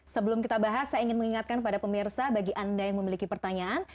sebelum kita bahas saya ingin mengingatkan pada pemirsa bagi anda yang memiliki pertanyaan